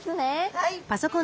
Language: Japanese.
はい。